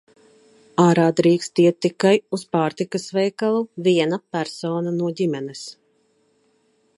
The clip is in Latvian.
Ārā drīkst iet tikai uz pārtikas veikalu viena persona no ģimenes.